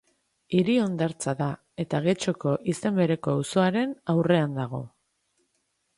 Hiri-hondartza da eta Getxoko izen bereko auzoaren aurrean dago.